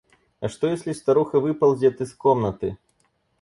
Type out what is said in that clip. А что если старуха выползет из комнаты?